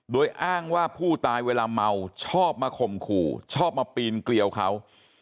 โดยอ้างว่าผู้ตายเวลาเมาชอบมาข่มขู่ชอบมาปีนเกลียวเขา